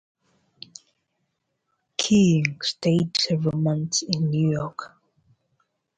"Keying" stayed several months in New York.